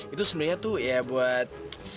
itu sebenarnya tuh ya buat